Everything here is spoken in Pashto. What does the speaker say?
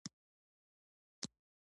لا ډېر عزت، درته هيله لرم